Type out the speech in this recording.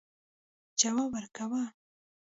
جواب ورکاوه.